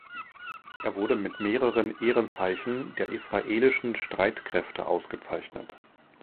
Er wurde mit mehreren Ehrenzeichen der israelischen Streitkräfte ausgezeichnet.